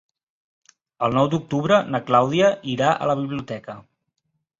El nou d'octubre na Clàudia irà a la biblioteca.